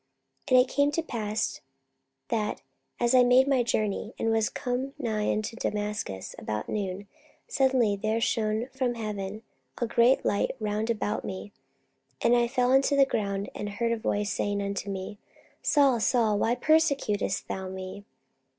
44:022:006 And it came to pass, that, as I made my journey, and was come nigh unto Damascus about noon, suddenly there shone from heaven a great light round about me. 44:022:007 And I fell unto the ground, and heard a voice saying unto me, Saul, Saul, why persecutest thou me?